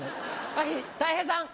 はいたい平さん。